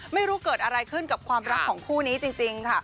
ไม่รู้เกิดอะไรขึ้นกับความรักของคู่นี้จริงค่ะ